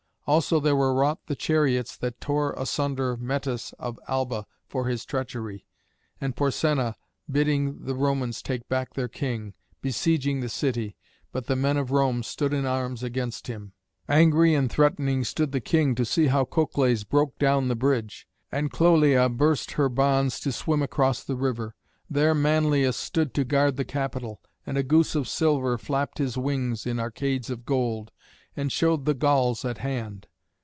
Also there were wrought the chariots that tore asunder Mettus of Alba for his treachery, and Porsenna bidding the Romans take back their king, besieging the city, but the men of Rome stood in arms against him. Angry and threatening stood the king to see how Cocles broke down the bridge, and Clœlia burst her bonds to swim across the river. There Manlius stood to guard the Capitol, and a goose of silver flapped his wings in arcades of gold, and showed the Gauls at hand.